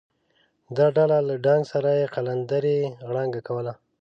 د ډاله له ډنګ سره یې قلندرې غړانګه کوله.